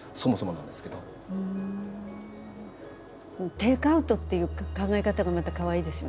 「テイクアウト」っていう考え方がまたかわいいですよね